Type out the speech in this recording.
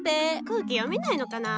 空気読めないのかな。